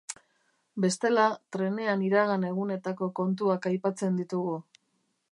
Bestela, trenean iragan egunetako kontuak aipatzen ditugu.